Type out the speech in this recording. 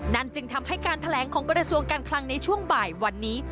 จึงทำให้การแถลงของกระทรวงการคลังในช่วงบ่ายวันนี้